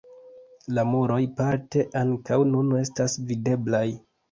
La muroj parte ankaŭ nun estas videblaj.